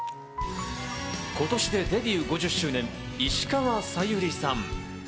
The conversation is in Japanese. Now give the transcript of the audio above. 今年でデビュー５０周年、石川さゆりさん。